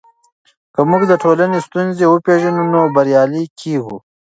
که موږ د ټولنې ستونزې وپېژنو نو بریالي کیږو.